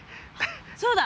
そうだ！